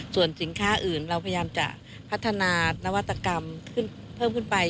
ส่วนสินค้าอื่นเราพยายามจะพัฒนานวัตกรรมเพิ่มขึ้นไป